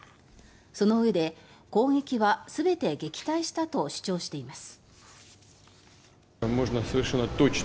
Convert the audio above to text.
そのうえで攻撃は全て撃退したと主張しています。